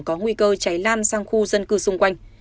có nguy cơ cháy lan sang khu dân cư xung quanh